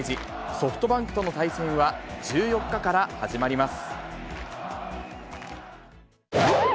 ソフトバンクとの対戦は１４日から始まります。